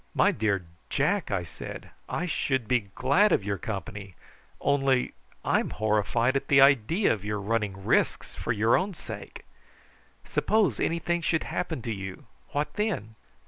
"My dear Jack," I said, "I should be glad of your company, only I'm horrified at the idea of your running risks for your own sake. Suppose anything should happen to you, what then?"